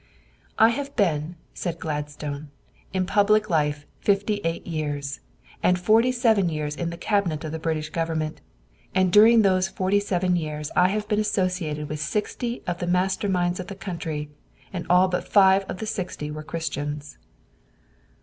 "I have been," said Gladstone, "in public life fifty eight years, and forty seven years in the Cabinet of the British Government, and during those forty seven years I have been associated with sixty of the master minds of the country, and all but five of the sixty were Christians."